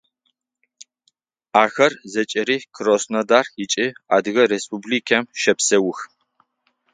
Ахэр зэкӏэри Краснодар ыкӏи Адыгэ Республикэм щэпсэух.